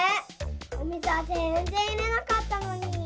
お水はぜんぜんいれなかったのに。